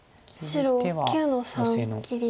白９の三切り。